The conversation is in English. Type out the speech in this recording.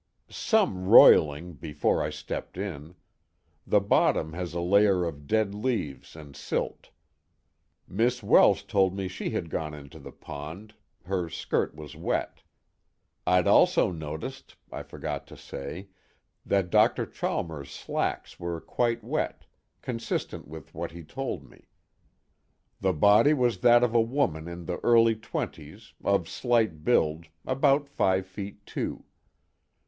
"Some roiling, before I stepped in. The bottom has a layer of dead leaves and silt. Miss Welsh told me she had gone into the pond her skirt was wet. I'd also noticed (I forgot to say) that Dr. Chalmers' slacks were quite wet, consistent with what he told me. The body was that of a woman in the early twenties, of slight build, about five feet two.